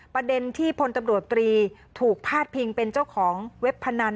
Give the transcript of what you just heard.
ประเด็นที่พลตำรวจตรีถูกพาดพิงเป็นเจ้าของเว็บพนัน